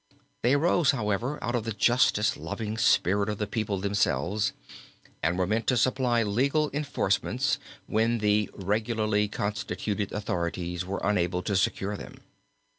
They arose, however, out of the justice loving spirit of the people themselves and were meant to supply legal enforcements when the regularly constituted authorities were unable to secure them.